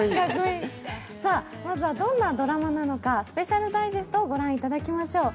まずはどんなドラマなのかスペシャルメドレーを御覧いただきましょう。